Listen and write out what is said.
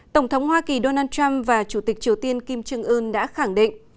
tổng thống hoa kỳ donald trump và chủ tịch triều tiên kim trương ưn đã khẳng định